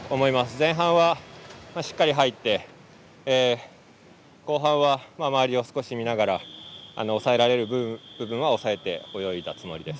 前半はしっかり入って後半は周りを少し見ながら押さえられる部分は押さえて泳いだつもりです。